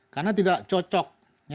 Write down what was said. karena tidak cocok